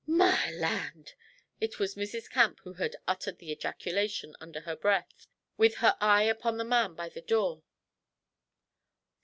'My land!' It was Mrs. Camp who had uttered the ejaculation, under her breath, with her eye upon the man by the door.